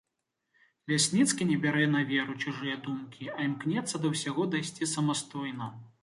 Лясніцкі не бярэ на веру чужыя думкі, а імкнецца да ўсяго дайсці самастойна.